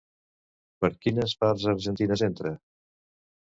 Per quines parts argentines entra?